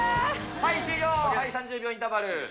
はい終了、はい、３０秒インターバル。